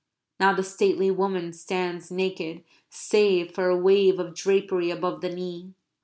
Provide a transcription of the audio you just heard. Now the stately woman stands naked, save for a wave of drapery above the knee.